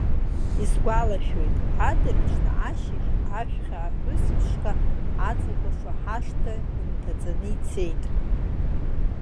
Исгәалашәоит, адырҩаҽны ашьыжь ажәхьа аҳәыс ԥшқа аҵакәашо ҳашҭа инҭаҵаны ицеит.